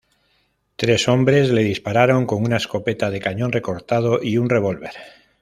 Tres hombres le dispararon con una escopeta de cañón recortado y un revólver.